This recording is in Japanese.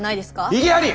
異議あり！